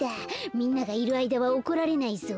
みんながいるあいだは怒られないぞ。